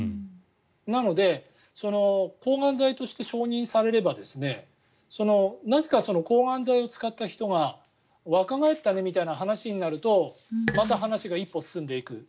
なので、抗がん剤として承認されればなぜか抗がん剤を使った人が若返ったねみたいな話になるとまた話が一歩進んでいく。